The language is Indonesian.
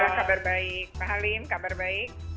kabar baik pak halim kabar baik